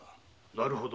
なるほど。